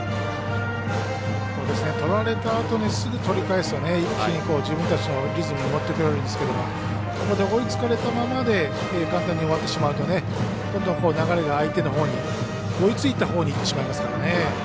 取られたあとにすぐ取り返すと一気に自分たちのリズムに持ってこられるんですけどここで追いつかれたままで簡単に終わってしまうとどんどん流れが追いついたほうにいってしまいますからね。